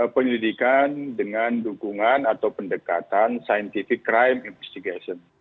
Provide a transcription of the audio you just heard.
penyelidikan dengan dukungan atau pendekatan scientific crime investigation